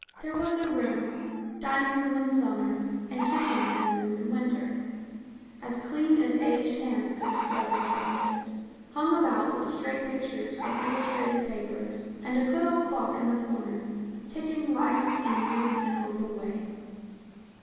There was a room, dining room in summer, and kitchen dining room in winter, as clean as aged hands could scrub and dust it, hung about with stray pictures from illustrated papers, and a good old clock in the corner ticking life, and youth, and hope away.